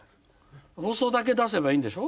放送だけ出せばいいんでしょ？